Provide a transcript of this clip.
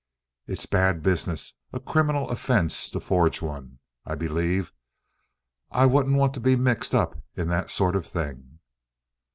It's bad business—a criminal offense to forge one, I believe. I wouldn't want to be mixed up in that sort of thing."